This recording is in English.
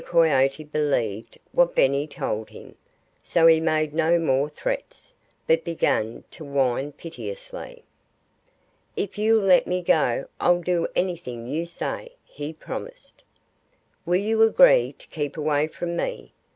Coyote believed what Benny told him. So he made no more threats, but began to whine piteously. "If you'll let me go I'll do anything you say," he promised. "Will you agree to keep away from me?"